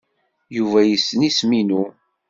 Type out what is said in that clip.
Yuba yessen isem-inu?